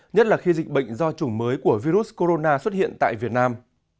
nhất là khi dịch bệnh do chủng mới của virus corona xuất hiện tại việt nam